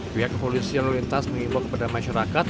pihak kepolisian lalu lintas mengimbau kepada masyarakat